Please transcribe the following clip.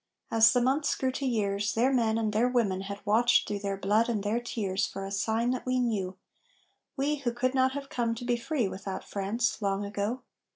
As the months grew to years Their men and their women had watched through their blood and their tears For a sign that we knew, we who could not have come to be free Without France, long ago.